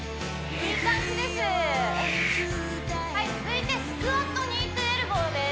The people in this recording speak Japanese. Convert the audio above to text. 続いてスクワットニートゥエルボーです